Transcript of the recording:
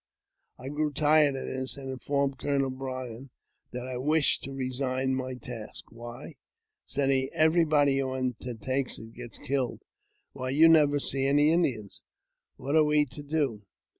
I grew tired of this, and informed Colonel Bryant that I wished to resign my task. ''Why?'' said he; ''everybody who undertakes it gets killed, while you never see any Indians. What are we to do